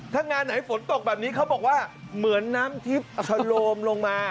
ถ้างานไหนฝนตกแบบนี้เขาบอกว่าเหมือนน้ำทิพย์ชะโลมลงมา